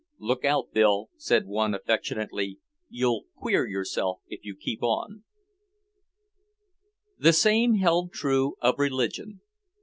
"Look out, Bill," said one affectionately. "You'll queer yourself if you keep on." The same held true of religion.